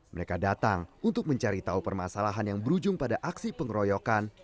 mereka datang untuk mencari tahu permasalahan yang berujung pada aksi pengeroyokan